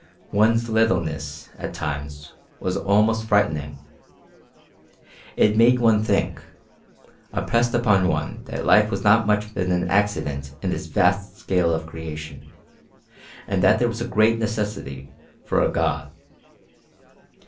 One's littleness, at times, was almost frightening. It made one think, impressed upon one that life was not much more than an accident in this vast scale of creation, and that there was great necessity for a God.